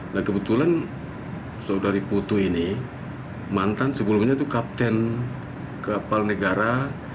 nah kebetulan saudari putu ini mantan sebelumnya itu kapten kapal negara tiga ratus empat puluh delapan